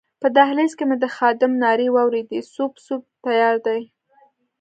په دهلېز کې مې د خادم نارې واورېدې سوپ، سوپ تیار دی.